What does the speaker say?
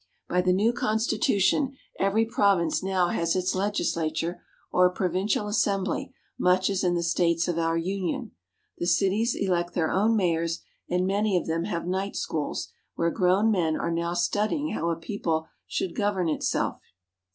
By the new constitution, every province now has its legislature or provincial assembly much as in the states of our Union. The cities elect their own mayors, and many of them have night schools where grown men are now studying how a people should govern itself.